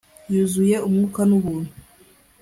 Yuzuye umwuka nubuntu